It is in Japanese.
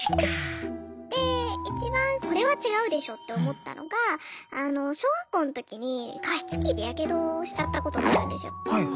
で一番これは違うでしょって思ったのが小学校の時に加湿器でヤケドをしちゃったことがあるんですよ。